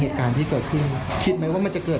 แต่อยากตอนที่อยู่ด้วกันเพราะว่าทั้งฝ่าใจครับ